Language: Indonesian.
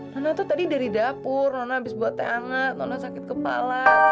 nona tuh tadi dari dapur nona abis buat teh hangat nona sakit kepala